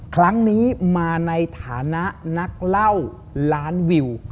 ครั้งนี้มาในฐานะนักเล่าล้านวิว